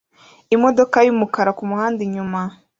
Imodoka yumukara kumuhanda inyuma